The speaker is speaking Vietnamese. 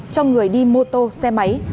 cho người đi mô tô xe máy